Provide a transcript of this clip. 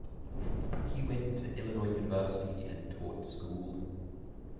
He went to Illinois University and taught school.